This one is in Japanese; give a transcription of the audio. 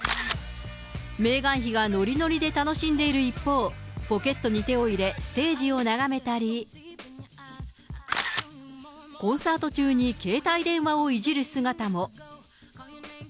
メーガン妃がノリノリで楽しんでいる一方、ポケットに手を入れ、ステージを眺めたり、コンサート中に携帯電話をいじる姿も。